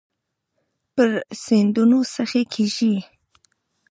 پر سیندونو سخي کیږې